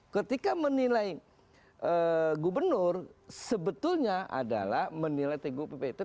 ketika menilai gubernur sebetulnya adalah menilai tgpp itu